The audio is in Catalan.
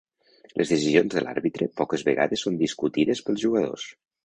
Les decisions de l'àrbitre poques vegades són discutides pels jugadors.